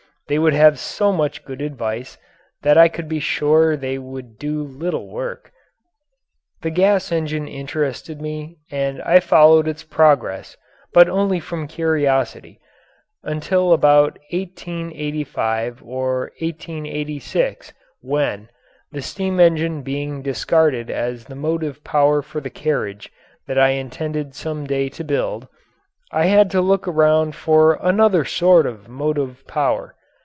They would have so much good advice that I could be sure they would do little work. The gas engine interested me and I followed its progress, but only from curiosity, until about 1885 or 1886 when, the steam engine being discarded as the motive power for the carriage that I intended some day to build, I had to look around for another sort of motive power.